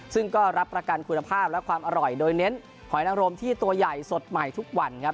ซึ่งก็รับประกันคุณภาพและความอร่อยโดยเน้นหอยนังรมที่ตัวใหญ่สดใหม่ทุกวันครับ